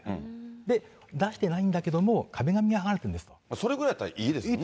で、出してないんだけども、それぐらいだったらいいですよね。